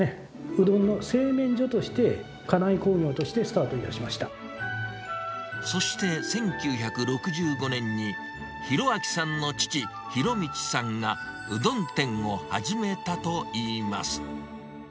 うどんの製麺所として、家内工業そして１９６５年に、裕朗さんの父、裕通さんが、うどん店を始めたといいます。